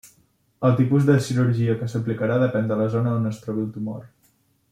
El tipus de cirurgia que s'aplicarà depèn de la zona on es trobi el tumor.